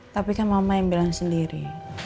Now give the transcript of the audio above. tapi kan mama yang bilang sendiri